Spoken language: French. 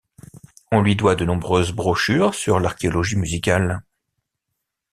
On lui doit de nombreuses brochures sur l'archéologie musicale.